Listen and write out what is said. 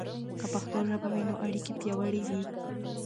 که پښتو ژبه وي، نو اړیکې پياوړي وي.